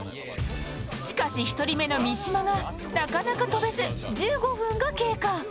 しかし１人目の三島がなかなか飛べず１５分が経過。